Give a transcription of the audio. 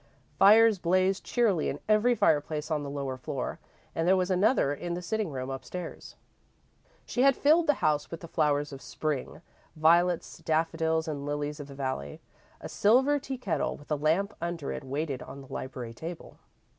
Fires blazed cheerily in every fireplace on the lower floor, and there was another in the sitting room upstairs. She had filled the house with the flowers of Spring violets, daffodils, and lilies of the valley. A silver tea kettle with a lamp under it waited on the library table.